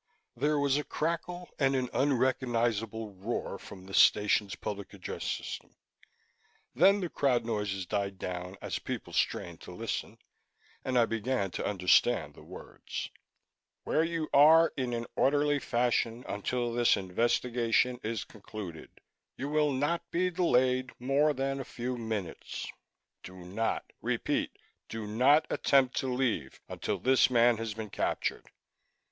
There was a crackle and an unrecognizable roar from the station's public address system. Then the crowd noises died down as people strained to listen, and I began to understand the words: "... Where you are in an orderly fashion until this investigation is concluded. You will not be delayed more than a few minutes. Do not, repeat, do not attempt to leave until this man has been captured.